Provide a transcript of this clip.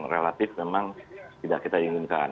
relatif memang tidak kita inginkan